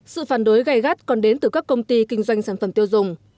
sự phản đối gây gắt còn đến từ các công ty kinh doanh sản phẩm tiêu dùng